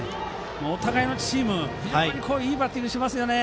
お互いのチーム非常にいいバッティングですね。